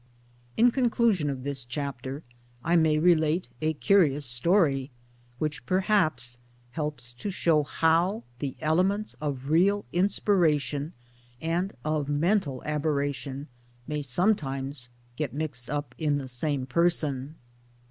In conclusion of this chapter I may relate a curious story which perhaps helps to show how the elements of real inspiration and of mental aberration may sometimes get mixed up in the same person.